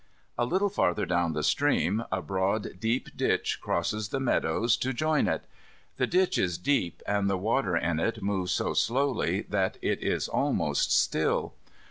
A little farther down the stream a broad deep ditch crosses the meadows to join it. The ditch is deep, and the water in it moves so slowly that it is almost still.